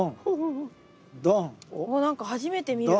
わっ何か初めて見る。